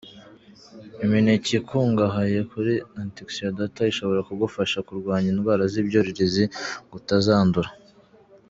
Imineke ikungahaye kuri Antioxidanta ishobora kugufasha kurwanya indwara z’ibyuririzi ngo utazandura.